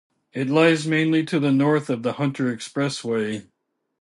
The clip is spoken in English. It lies mainly to the north of the Hunter Expressway.